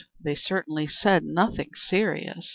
They certainly said nothing serious."